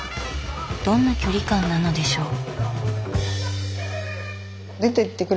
どんな距離感なのでしょう。